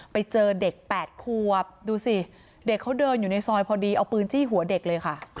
ไปเจอเด็ก๘ควบดูสิเด็กเขาเดินอยู่ในซอยพอดีเอาปืนจี้หัวเด็กเลยค่ะ